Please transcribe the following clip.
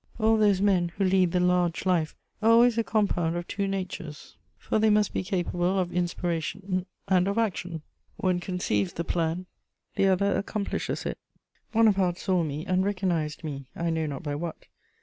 All those men who lead the large life are always a compound of two natures, for they must be capable of inspiration and of action: one conceives the plan, the other accomplishes it. [Sidenote: The First Consul.] Bonaparte saw me and recognised me, I know not by what.